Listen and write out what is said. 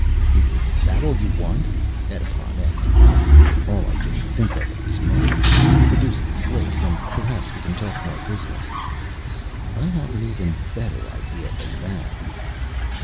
"Is that all you want?" Edipon asked. "All I can think of at this moment. You produce this slave and perhaps we can talk more business." "I have an even better idea than that."